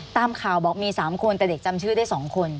ตามข่าวบอกมี๓คนแต่เด็กจำชื่อได้๒คน